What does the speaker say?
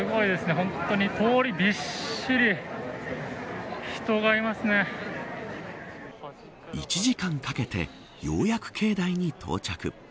本当に通り、びっしり１時間かけてようやく境内に到着。